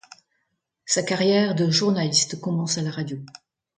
Sa carrière de journaliste commence à la radio.